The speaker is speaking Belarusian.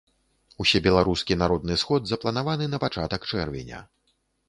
Усебеларускі народны сход запланаваны на пачатак чэрвеня.